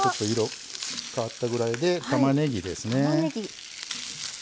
変わったぐらいでたまねぎですね。